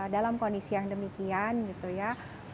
dalam kondisi yang demikian gitu ya